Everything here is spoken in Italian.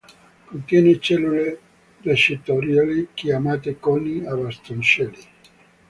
Contiene cellule recettoriali chiamate coni e bastoncelli.